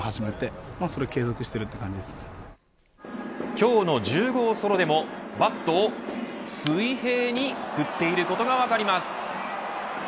今日の１０号ソロでもバットを水平に振っていることが分かります。